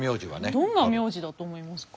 どんな名字だと思いますか？